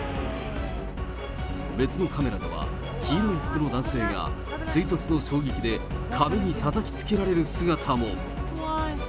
別のカメラでは、黄色い服の男性が追突の衝撃で、壁にたたきつけられる姿も。